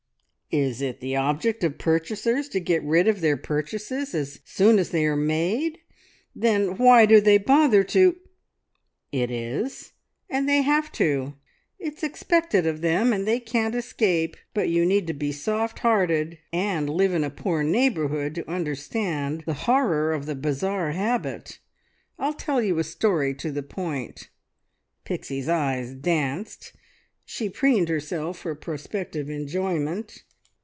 "Is it the object of purchasers to get rid of their purchases as soon as they are made? Then why do they bother to " "It is, and they have to. It's expected of them, and they can't escape, but you need to be soft hearted and live in a poor neighbourhood to understand the horror of the bazaar habit. I'll tell you a story to the point." Pixie's eyes danced, she preened herself for prospective enjoyment.